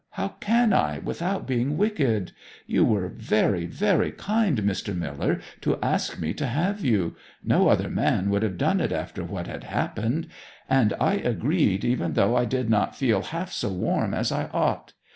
How can I without being wicked? You were very very kind, Mr. Miller, to ask me to have you; no other man would have done it after what had happened; and I agreed, even though I did not feel half so warm as I ought.